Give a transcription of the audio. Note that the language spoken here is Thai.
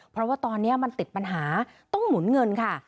เพราะว่าตอนนี้มันติดปัญหาต้องหมุนเงินค่ะ